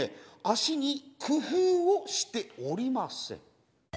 足に工夫をしておりません。